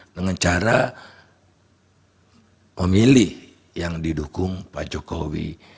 dengan cara pemilih yang didukung pak jokowi